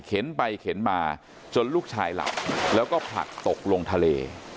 ไปเข็นมาจนลูกชายหลับแล้วก็ผลักตกลงทะเล